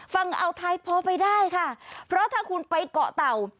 ฝั่งอ่าวไทยพอไปได้ค่ะเพราะถ้าคุณไปเกาะเต่า